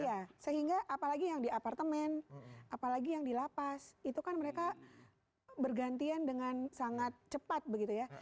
iya sehingga apalagi yang di apartemen apalagi yang di lapas itu kan mereka bergantian dengan sangat cepat begitu ya